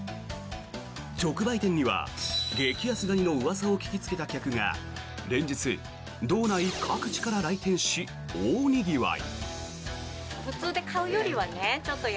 直売店には、激安ガニのうわさを聞きつけた客が連日、道内各地から来店し大にぎわい。